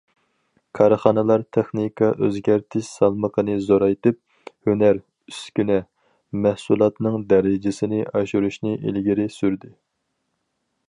كارخانىلار تېخنىكا ئۆزگەرتىش سالمىقىنى زورايتىپ، ھۈنەر، ئۈسكۈنە، مەھسۇلاتنىڭ دەرىجىسىنى ئاشۇرۇشنى ئىلگىرى سۈردى.